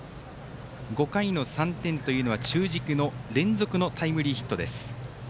５回の３点というのは中軸の連続のタイムリーヒットです。